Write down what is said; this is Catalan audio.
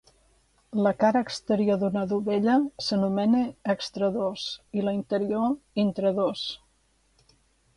La cara exterior d'una dovella s'anomena extradós i la interior, intradós.